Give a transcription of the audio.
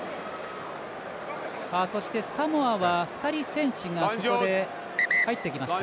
そして、サモアは２人、選手が入ってきました。